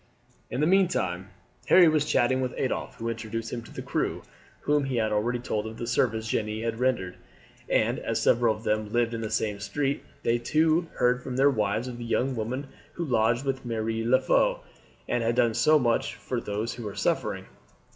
In the meantime Harry was chatting with Adolphe, who introduced him to the crew, whom he had already told of the services Jeanne had rendered, and as several of them lived in the same street they too had heard from their wives of the young woman who lodged with Mere Leflo, and had done so much for those who were suffering.